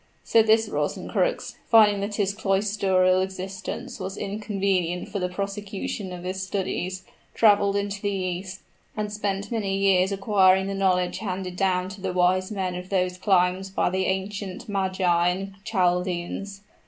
So this Rosencrux, finding that his cloistral existence was inconvenient for the prosecution of his studies, traveled into the East, and spent many years in acquiring the knowledge handed down to the wise men of those climes by the ancient Magi and Chaldeans.